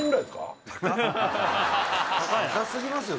高すぎますよ